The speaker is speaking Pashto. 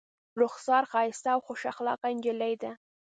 رخسار ښایسته او خوش اخلاقه نجلۍ ده.